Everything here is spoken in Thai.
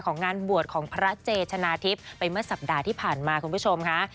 งานบวชของพระเจชนะทิพย์ไปเมื่อสัปดาห์ที่ผ่านมาคุณผู้ชมค่ะ